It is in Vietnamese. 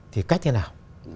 thì cách thế nào